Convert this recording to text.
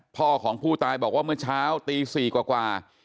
พ่อของผู้ตายบอกว่าเมื่อเช้าตี๔กว่า